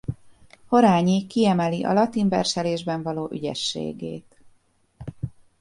Horányi kiemeli a latin verselésben való ügyességét.